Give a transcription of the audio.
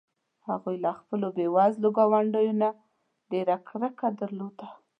هغوی له خپلو بې وزلو ګاونډیو نه ډېره کرکه درلوده.